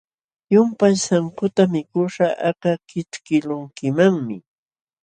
Llumpay sankuta mikuśhqa aka kićhkiqlunkimanmi.